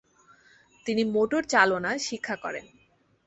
তিনি মোটর চালনা শিক্ষা করেন।